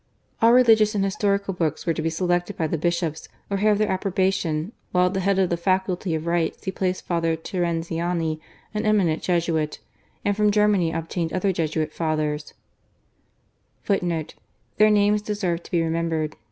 All religious and historical books were to be selected by the Bishops, or have their approbation, while at the head of the Faculty of Rights he placed Father Terenziani, an eminent Jesuit : and from Germany obtained other Jesuit Fathers,^ as Professors of ■ Their names deserve to be remembered.